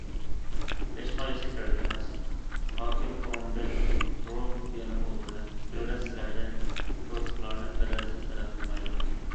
- ھېچقايسىسى كېرەك ئەمەس،- ھاكىم ئورنىدىن تۇرۇپ يەنە ئولتۇردى،- دۆلەت سىلەردىن چوشقىلارنى بەدەلسىز تەلەپ قىلمايدۇ.